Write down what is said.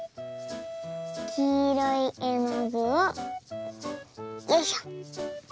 きいろいえのぐをよいしょ。